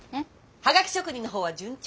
ハガキ職人の方は順調？